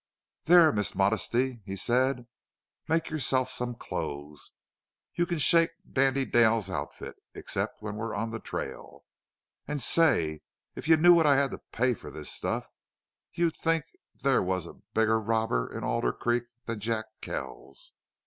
"There Miss Modestly," he said. "Make yourself some clothes. You can shake Dandy Dale's outfit, except when we're on the trail.... And, say, if you knew what I had to pay for this stuff you'd think there was a bigger robber in Alder Creek than Jack Kells....